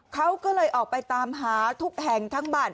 เขาก็เลยออกไปตามหาทุกแห่งทั้งบ้าน